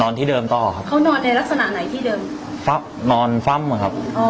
ที่เดิมต่อครับเขานอนในลักษณะไหนที่เดิมฟับนอนซ้ำอะครับอ๋อ